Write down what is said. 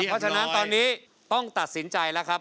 เพราะฉะนั้นตอนนี้ต้องตัดสินใจแล้วครับ